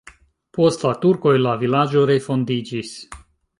Post la turkoj la vilaĝo refondiĝis.